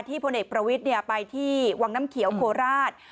พลเอกประวิทย์ไปที่วังน้ำเขียวโคราช